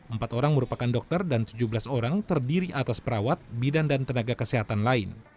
empat orang merupakan dokter dan tujuh belas orang terdiri atas perawat bidan dan tenaga kesehatan lain